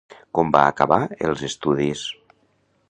Com va acabar els estudis?